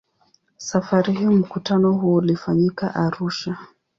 Safari hii mkutano huo ulifanyika Arusha.